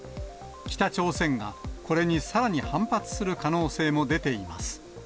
北朝鮮がこれにさらに反発する可能性も出ています。